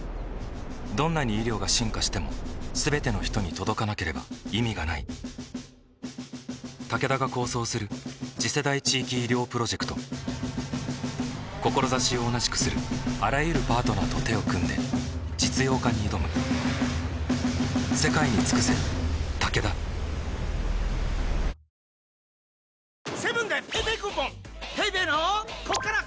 どんなに医療が進化しても全ての人に届かなければ意味がないタケダが構想する次世代地域医療プロジェクト志を同じくするあらゆるパートナーと手を組んで実用化に挑むさあここからは第２位にランクインした